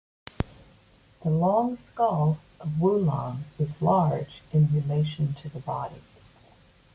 The long skull of "Wulong" is large in relation to the body.